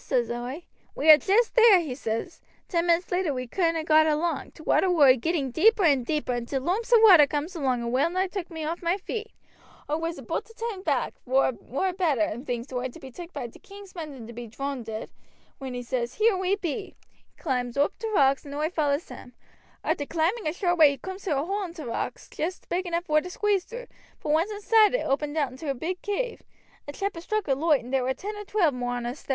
says oi. 'We are jest there,' says he. 'Ten minutes later we couldn't ha' got along.' T' water war a getting deeper and deeper, and t' loomps of water cooms along and well nigh took me off my feet. Oi was aboot to turn back, vor it war better, thinks oi, to be took by t' king's men than to be droonded, when he says, 'Here we be.' He climbs oop t' rocks and oi follows him. Arter climbing a short way he cooms to a hole i' rocks, joost big enough vor to squeeze through, but once inside it opened out into a big cave. A chap had struck a loight, and there war ten or twelve more on us thar.